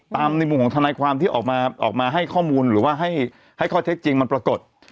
ในมุมของทนายความที่ออกมาให้ข้อมูลหรือว่าให้ข้อเท็จจริงมันปรากฏ